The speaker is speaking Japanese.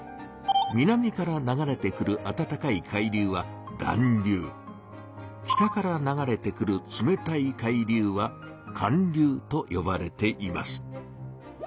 南から流れてくるあたたかい海流は「暖流」北から流れてくる冷たい海流は「寒流」とよばれています。